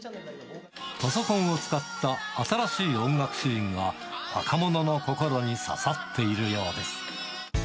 パソコンを使った新しい音楽シーンが、若者の心に刺さっているようです。